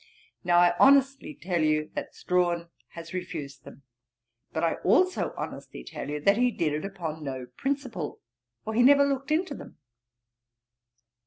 Now I honestly tell you, that Strahan has refused them; but I also honestly tell you, that he did it upon no principle, for he never looked into them.'